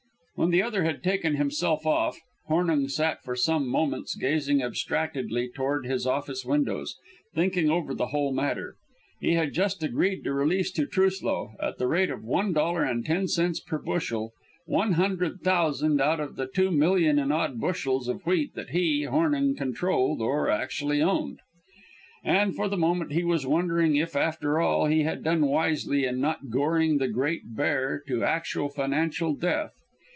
When the other had taken himself off, Hornung sat for some moments gazing abstractedly toward his office windows, thinking over the whole matter. He had just agreed to release to Truslow, at the rate of one dollar and ten cents per bushel, one hundred thousand out of the two million and odd bushels of wheat that he, Hornung, controlled, or actually owned. And for the moment he was wondering if, after all, he had done wisely in not goring the Great Bear to actual financial death.